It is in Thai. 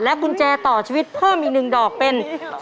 กุญแจต่อชีวิตเพิ่มอีก๑ดอกเป็น